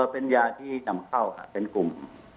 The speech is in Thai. เป็นยาที่นำเข้าค่ะเป็นกลุ่ม